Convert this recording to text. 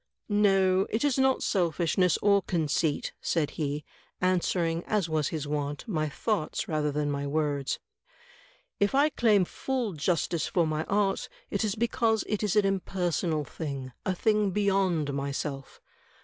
"No, it is not selfishness or conceit," said he, answering, as was his wont, my thoughts rather than my words. "If I claim full justice for my art, it is because it is an impersonal thing — a thing beyond myself.